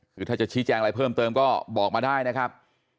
คือถ้าจะชี้แจงอะไรเพิ่มเติมก็บอกมาได้นะครับ